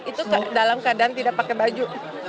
itu dalam keadaan tidak pakai baju